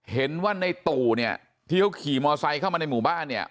เห็นว่าในตู่เนี่ยที่เขาขี่มอไซค์เข้ามาในหมู่บ้านเนี่ย